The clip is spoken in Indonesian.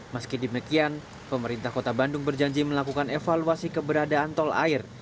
meski demikian pemerintah kota bandung berjanji melakukan evaluasi keberadaan tol air